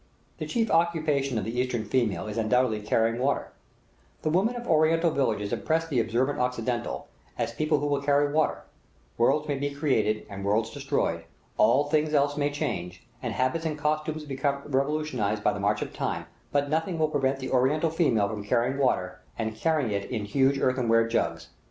The chief occupation of the Eastern female is undoubtedly carrying water; the women of Oriental villages impress the observant Occidental, as people who will carry water worlds may be created and worlds destroyed; all things else may change, and habits and costumes become revolutionized by the march of time, but nothing will prevent the Oriental female from carrying water, and carrying it in huge earthenware jugs!